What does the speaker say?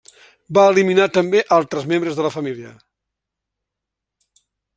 Va eliminar també altres membres de la família.